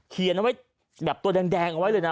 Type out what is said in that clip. เขียนเอาไว้แบบตัวแดงเอาไว้เลยนะ